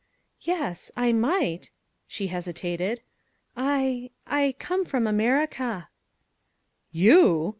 "Yes, I might." She hesitated. "I I come from America." "You!"